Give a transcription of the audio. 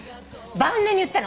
晩年に言ったの。